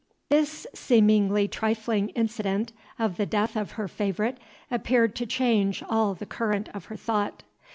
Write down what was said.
This seemingly trifling incident of the death of her favorite appeared to change all the current of her thought.